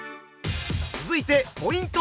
続いてポイント